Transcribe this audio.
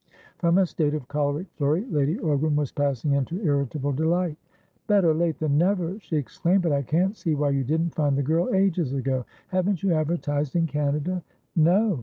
From a state of choleric flurry Lady Ogram was passing into irritable delight. "Better late than never," she exclaimed, "but I can't see why you didn't find the girl ages ago. Haven't you advertised in Canada?" "No.